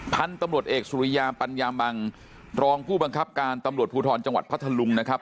พันธุ์ตำรวจเอกสุริยาปัญญามังรองผู้บังคับการตำรวจภูทรจังหวัดพัทธลุงนะครับ